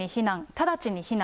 直ちに避難。